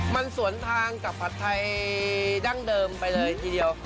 มันสวนทางกับผัดไทยดั้งเดิมไปเลยทีเดียว